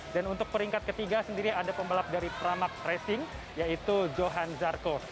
dan untuk peringkat ketiga sendiri ada pembalap dari pramag racing yaitu johan zarco